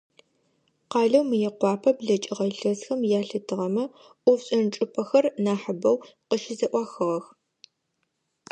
Къалэу Мыекъуапэ блэкӀыгъэ илъэсхэм ялъытыгъэмэ, ӀофшӀэн чӀыпӀэхэр нахьы бэу къыщызэӀуахыгъэх.